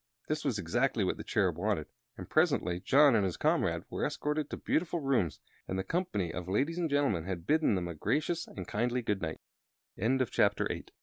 That was exactly what the Cherub wanted, and presently John and his comrade were escorted to beautiful rooms, and the company of ladies and gentlemen had bidden them a gracious and kindly good n